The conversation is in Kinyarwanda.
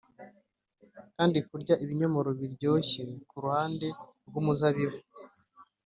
kandi kurya ibinyomoro biryoshye kuruhande rwumuzabibu.